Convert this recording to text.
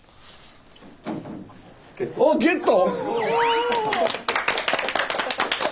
あっゲット？